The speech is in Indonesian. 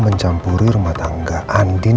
mencampuri rumah tangga andin